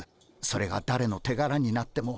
それがだれの手柄になっても。